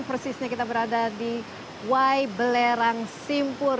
persisnya kita berada di wai belerang simpur